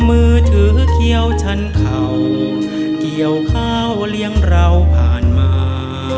มือถือเคี้ยวชั้นเข่าเกี่ยวข้าวเลี้ยงเราผ่านมา